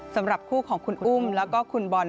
สำหรับคู่ของคุณอุ้มแล้วก็คุณบอล